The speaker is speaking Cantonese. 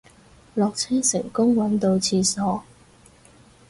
落車成功搵到廁所